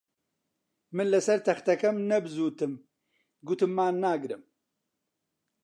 من لەسەر تەختەکەم نەبزووتم، گوتم مان ناگرم